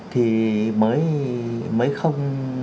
thì mới không